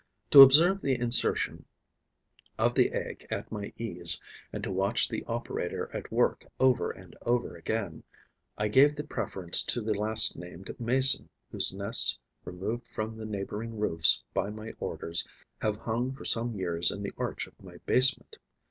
To observe the insertion of the egg at my ease and to watch the operator at work over and over again, I gave the preference to the last named Mason, whose nests, removed from the neighbouring roofs by my orders, have hung for some years in the arch of my basement.